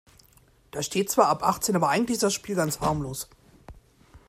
Da steht zwar ab achtzehn, aber eigentlich ist das Spiel ganz harmlos.